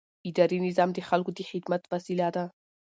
اداري نظام د خلکو د خدمت وسیله ده.